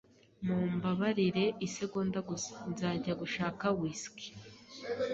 Mumbabarire isegonda gusa. Nzajya gushaka whisky